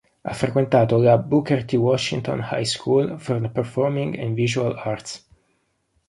Ha frequentato la Booker T. Washington High School for the Performing and Visual Arts.